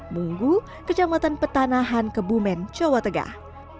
munggu kecamatan petanahan kebumen jawa tengah